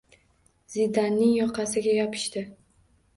Zidanning yoqasiga yopishdi.